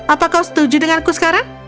apa kau setuju denganku sekarang